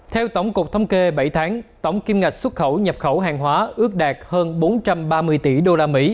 theo tổng cục thống kê bảy tháng tổng kim ngạch xuất khẩu nhập khẩu hàng hóa ước đạt hơn bốn trăm ba mươi tỷ usd